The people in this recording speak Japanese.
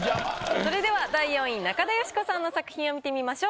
それでは第４位中田喜子さんの作品を見てみましょう。